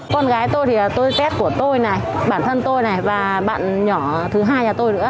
con gái tôi thì tôi rét của tôi này bản thân tôi này và bạn nhỏ thứ hai nhà tôi nữa